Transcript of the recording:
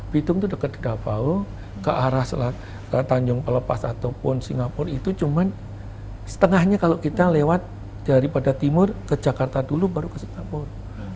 bitung itu dekat di davao ke arah tanjung pelepas ataupun singapura itu cuma setengahnya kalau kita lewat daripada timur ke jakarta dulu baru ke singapura